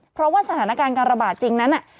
เพราะว่าสถานการณ์การระบาดจริงนั้น